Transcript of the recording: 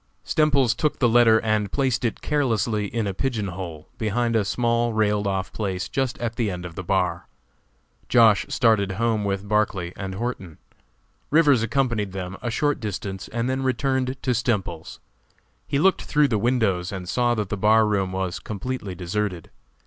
Stemples took the letter and placed it carelessly in a pigeon hole, behind a small, railed off place just at the end of the bar. Josh. started home with Barclay and Horton. Rivers accompanied them a short distance and then returned to Stemples's. He looked through the windows and saw that the bar room was completely deserted.